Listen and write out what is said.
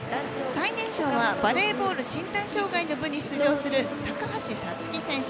最年少は、バレーボール身体障害の部に出場する高橋彩月選手。